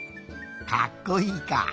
かっこいいか。